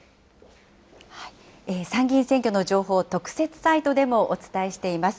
参議院選挙の情報、特設サイトでもお伝えしています。